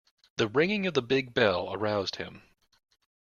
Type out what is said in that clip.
The ringing of the big bell aroused him.